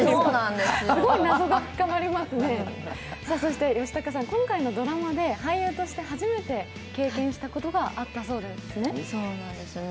そして吉高さん、今回のドラマで俳優として初めて経験したことがあったんですよね？